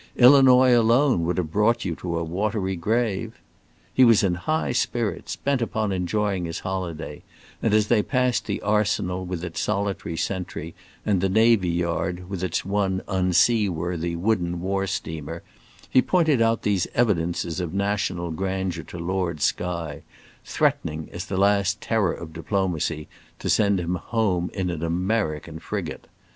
Illinois alone would have brought you to a watery grave." He was in high spirits, bent upon enjoying his holiday, and as they passed the arsenal with its solitary sentry, and the navy yard, with its one unseaworthy wooden war steamer, he pointed out these evidences of national grandeur to Lord Skye, threatening, as the last terror of diplomacy, to send him home in an American frigate.